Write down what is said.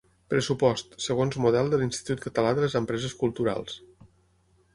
Pressupost, segons model de l'Institut Català de les Empreses Culturals.